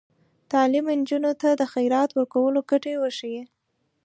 تعلیم نجونو ته د خیرات ورکولو ګټې ښيي.